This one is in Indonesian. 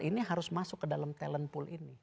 ini harus masuk ke dalam talent pool ini